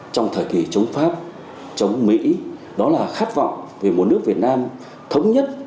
trong thời kỳ chống pháp chống mỹ đó là khát vọng về một nước việt nam thống nhất